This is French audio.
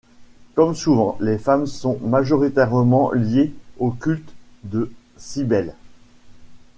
Comme souvent, les femmes sont majoritairement liées au culte de Cybèle.